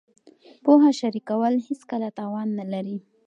پوهه شریکول هېڅکله تاوان نه لري.